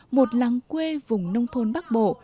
một làng quê vùng nông thôn bắc bộ